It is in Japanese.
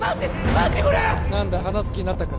待ってくれ何だ話す気になったか？